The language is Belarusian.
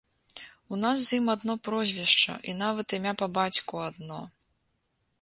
У нас з ім адно прозвішча, і нават імя па бацьку адно.